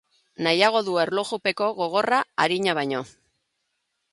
Nahiago du erlojupeko gogorra arina baino.